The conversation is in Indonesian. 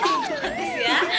gak usah ya